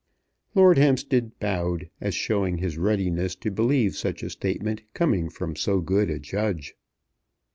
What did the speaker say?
Lord Hampstead bowed, as showing his readiness to believe such a statement coming from so good a judge.